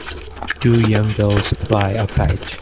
two young girls fly a kite.